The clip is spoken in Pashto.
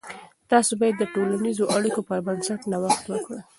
تاسې باید د ټولنیزو اړیکو پر بنسټ نوښت وکړئ.